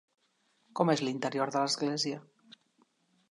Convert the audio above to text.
Com és l'interior de l'església?